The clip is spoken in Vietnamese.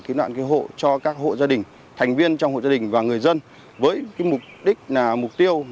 kiếm đoạn hộ cho các hộ gia đình thành viên trong hộ gia đình và người dân với mục tiêu